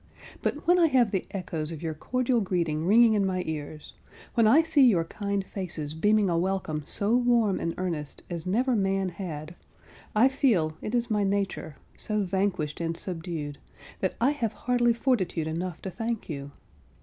But when I have the echoes of your cordial greeting ringing in my ears; when I see your kind faces beaming a welcome so warm and earnest as never man had—I feel, it is my nature, so vanquished and subdued, that I have hardly fortitude enough to thank you.